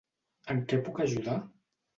En què puc ajudar?